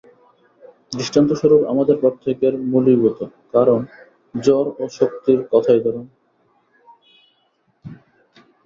দৃষ্টান্তস্বরূপ আমাদের প্রত্যক্ষের মূলীভূত কারণ জড় ও শক্তির কথাই ধরুন।